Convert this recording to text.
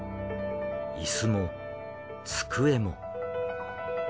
椅子も机も。